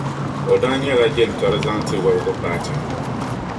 O daa nyɛla jintɔra zaŋti wɔbigu paati.